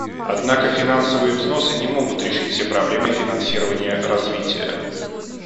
Однако финансовые взносы не могут решить все проблемы финансирования развития.